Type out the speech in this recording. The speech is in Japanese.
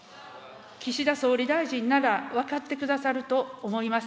岸田総理大臣なら、分かってくださると思います。